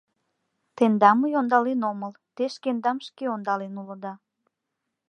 Тендам мый ондален омыл, те шкендам шке ондален улыда.